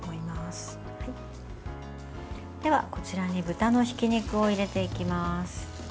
では、こちらに豚のひき肉を入れていきます。